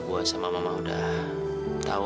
gue sama mama udah tahu